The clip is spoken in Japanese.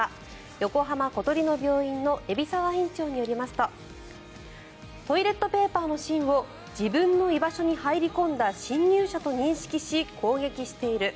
横浜小鳥の病院の海老沢院長によりますとトイレットペーパーの芯を自分の居場所に入り込んだ侵入者と認識し攻撃している。